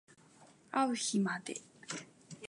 あう日まで